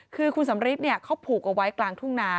คือคุณสำริทเขาผูกเอาไว้กลางทุ่งนา